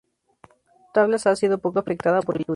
Tablas ha sido poco afectada por el turismo.